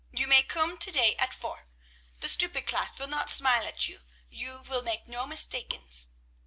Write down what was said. You may koom to day, at four. The stupid class vill not smile at you; you vill make no mistakens."